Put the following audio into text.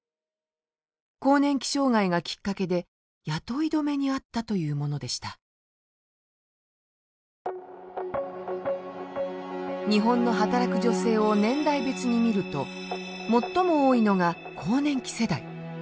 更年期障害がきっかけで雇い止めにあったというものでした日本の働く女性を年代別に見ると最も多いのが更年期世代。